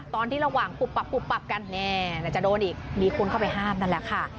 ระหว่างปุ๊บปับปุ๊บปับกันจะโดนอีกมีคนเข้าไปห้ามนั่นแหละค่ะ